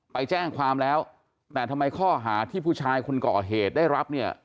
ไปแจ้งความแล้วแต่ทำไมข้อหาที่ผู้ชายคนก่อเหตุได้รับเนี่ย